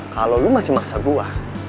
kalau lo masih maksa gue